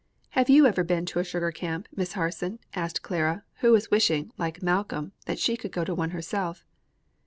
"Have you ever been to a sugar camp, Miss Harson?" asked Clara, who was wishing, like Malcolm, that she could go to one herself.